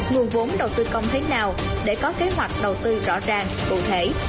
nguồn vốn đầu tư công thế nào để có kế hoạch đầu tư rõ ràng cụ thể